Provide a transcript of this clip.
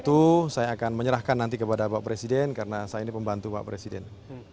itu saya akan menyerahkan nanti kepada pak presiden karena saya ini pembantu pak presiden